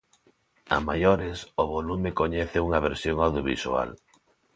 A maiores, o volume coñece unha versión audiovisual.